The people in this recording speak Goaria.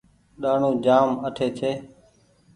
ڏآڻو جآم اٺي ڇي۔